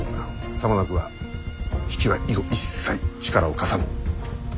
さもなくば比企は以後一切力を貸さぬ。